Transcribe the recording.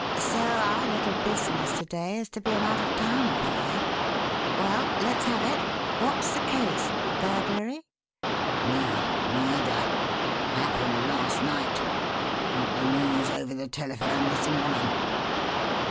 So our little business to day is to be an out of town affair, eh? Well, let's have it. What's the case? Burglary?" "No murder. Happened last night. Got the news over the telephone this morning.